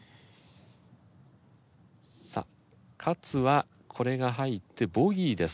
さあ勝はこれが入ってボギーです。